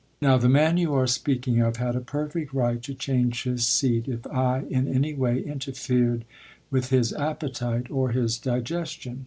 Now, the man you are speaking of had a perfect right to change his seat if I in any way interfered with his appetite or his digestion.